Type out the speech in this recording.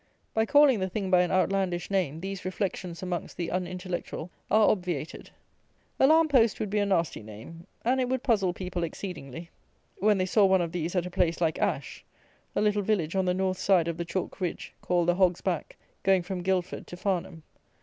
By calling the thing by an outlandish name, these reflections amongst the unintellectual are obviated. Alarm post would be a nasty name; and it would puzzle people exceedingly, when they saw one of these at a place like Ashe, a little village on the north side of the chalk ridge (called the Hog's Back) going from Guildford to Farnham.